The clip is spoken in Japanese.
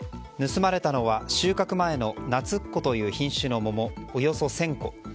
盗まれたのは収穫前のなつっこという品種の桃およそ１０００個。